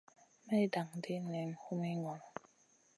May dan ɗi nen humi ŋolo.